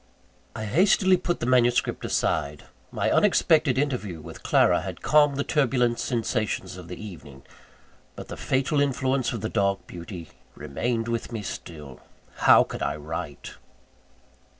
I hastily put the manuscript aside. My unexpected interview with Clara had calmed the turbulent sensations of the evening: but the fatal influence of the dark beauty remained with me still. How could I write?